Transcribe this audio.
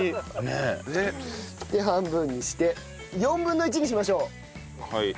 ねえ。で半分にして４分の１にしましょう。